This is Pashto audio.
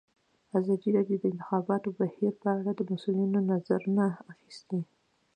ازادي راډیو د د انتخاباتو بهیر په اړه د مسؤلینو نظرونه اخیستي.